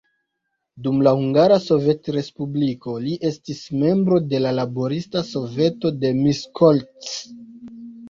Dum la Hungara Sovetrespubliko, li estis membro de la laborista soveto de Miskolc.